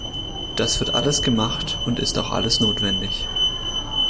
Das wird alles gemacht und ist auch alles notwendig.